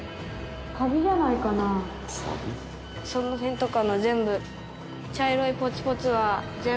その辺とかの全部。